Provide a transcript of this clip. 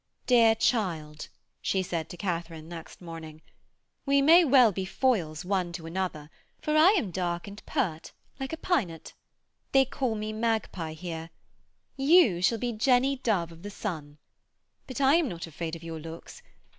'Dear child,' she said to Katharine next morning, 'we may well be foils one to another, for I am dark and pert, like a pynot. They call me Mag Pie here. You shall be Jenny Dove of the Sun. But I am not afraid of your looks.